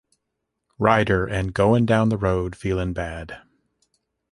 Rider" and "Goin' Down the Road Feelin' Bad".